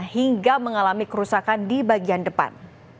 hingga mengalami kerusakan di bagian depan